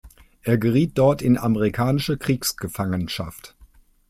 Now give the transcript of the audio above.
Er geriet dort in amerikanische Kriegsgefangenschaft.